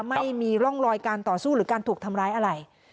ไม่มีร่องรอยการต่อสู้หรือการถูกทำร้ายอะไร